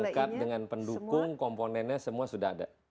dekat dengan pendukung komponennya semua sudah ada